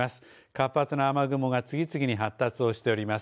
活発な雨雲が次々に発達をしております。